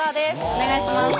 お願いします！